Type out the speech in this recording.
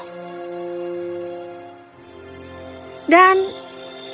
aku juga tidak menyukaimu